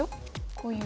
こういう。